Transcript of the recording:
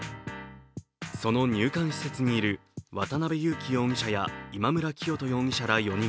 その入管施設にいる渡辺優樹容疑者や今村磨人容疑者ら４人。